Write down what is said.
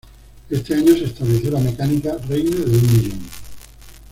Este año se estableció la mecánica "Reina de Un Millón".